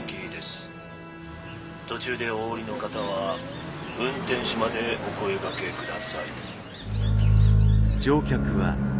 途中でお降りの方は運転手までお声がけください。